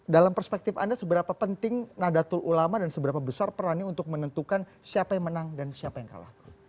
dalam perspektif anda seberapa penting nadatul ulama dan seberapa besar perannya untuk menentukan siapa yang menang dan siapa yang kalah